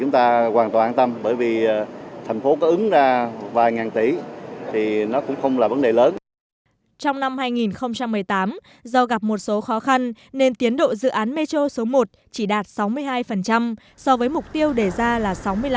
trong năm hai nghìn một mươi tám do gặp một số khó khăn nên tiến độ dự án metro số một chỉ đạt sáu mươi hai so với mục tiêu đề ra là sáu mươi năm